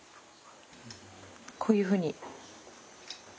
こういうふうに。